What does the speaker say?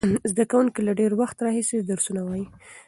زده کوونکي له ډېر وخت راهیسې درسونه وایي.